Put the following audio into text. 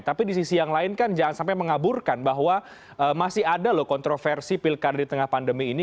tapi di sisi yang lain kan jangan sampai mengaburkan bahwa masih ada loh kontroversi pilkada di tengah pandemi ini